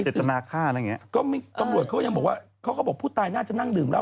เจตนาฆ่าอะไรอย่างเงี้ยก็ไม่ตำรวจเขายังบอกว่าเขาก็บอกผู้ตายน่าจะนั่งดื่มเหล้า